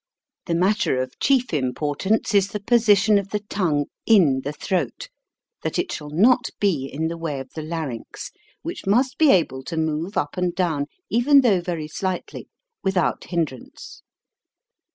The matter of chief im portance is the position of the tongue in the throat, that it shall not be in the way of the larynx, which must be able to move up and down, even though very slightly, without hindrance.